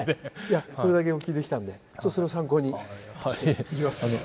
それだけお聞きできたんでちょっとそれを参考にいきます。